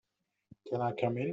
Can I come in?